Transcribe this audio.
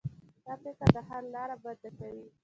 دا فکر د حل لاره بنده کوي.